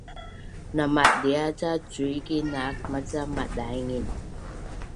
na madia’ ca cui ki nak maca madaingin